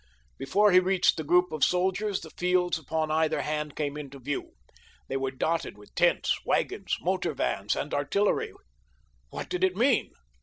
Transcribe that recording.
Before he reached the group of soldiers the fields upon either hand came into view. They were dotted with tents, wagons, motor vans and artillery. What did it mean?